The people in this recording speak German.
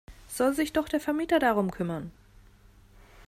Soll sich doch der Vermieter darum kümmern!